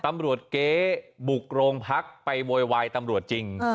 ตำรวจเก๋บุกโลงพรักษณ์ไปโวยวายตำรวจจริง